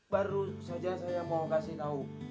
baru saja saya mau kasih tahu